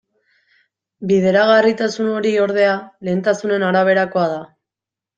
Bideragarritasun hori, ordea, lehentasunen araberakoa da.